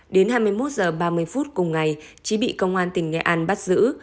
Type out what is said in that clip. đến hai mươi một h ba mươi phút cùng ngày trí bị công an tỉnh nghệ an bắt giữ